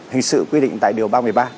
hình sự quy định tại điều ba mươi ba